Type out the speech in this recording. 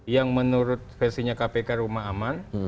yang menurut versinya kpk rumah aman